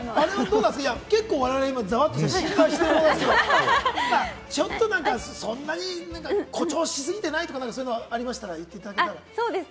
結構、我々、今ザワっとして心配してるんですけれども。ちょっとなんか、そんなに誇張しすぎてないとか、そういうのがありましたら言っていただけたら。